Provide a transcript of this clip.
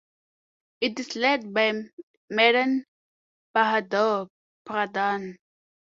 It is led by Madan Bahadur Pradhan.